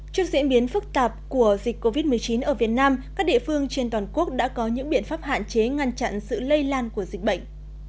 trước diễn biến phức tạp của dịch covid một mươi chín ở việt nam các địa phương trên toàn quốc đã có những biện pháp hạn chế ngăn chặn sự lây lan của dịch bệnh